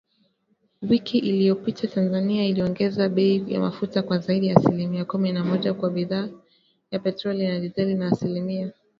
Wiki iliyopita, Tanzania iliongeza bei ya mafuta kwa zaidi ya asilimia kumi na moja kwa bidhaa ya petroli na dizeli, na asilimia ishirini na moja kwa mafuta ya taa.